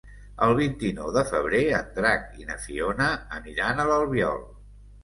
El vint-i-nou de febrer en Drac i na Fiona aniran a l'Albiol.